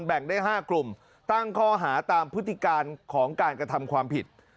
แบ่งได้๕กลุ่มตั้งข้อหาตามพฤติการของการกระทำความผิด